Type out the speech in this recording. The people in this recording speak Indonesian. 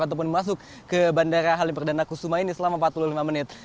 ataupun masuk ke bandara halim perdana kusuma ini selama empat puluh lima menit